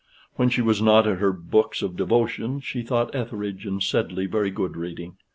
When she was not at her books of devotion, she thought Etheridge and Sedley very good reading.